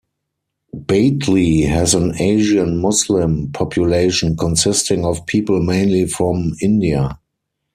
Batley has an Asian Muslim population consisting of people mainly from India.